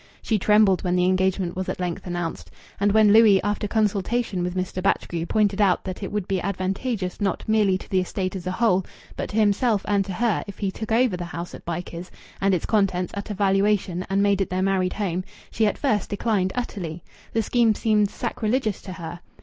She trembled when the engagement was at length announced. And when Louis, after consultation with Mr. Batchgrew, pointed out that it would be advantageous not merely to the estate as a whole, but to himself and to her, if he took over the house at Bycars and its contents at a valuation and made it their married home, she at first declined utterly. The scheme seemed sacrilegious to her.